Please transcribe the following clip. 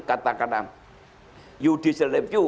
katakanlah judicial review